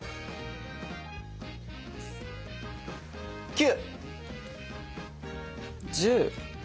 ９！１０！